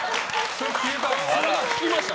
聞きました。